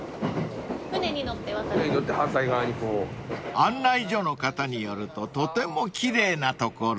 ［案内所の方によるととても奇麗な所］